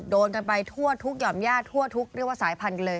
โดนกันไปทั่วทุกหย่อมญาติทั่วทุกเรียกว่าสายพันธุ์เลย